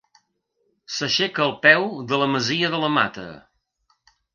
S'aixeca al peu de la masia de la Mata.